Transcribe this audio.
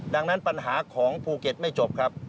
ดังนั้นปัญหาของภูเก็ตไม่จบครับ